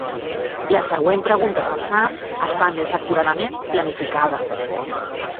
La següent pregunta de Sam està més acuradament planificada.